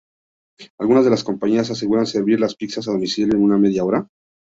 Algunas de las compañías aseguran servir las pizzas a domicilio en una media hora.